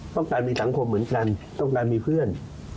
ต้องการมีสังคมเหมือนกันต้องการมีเพื่อน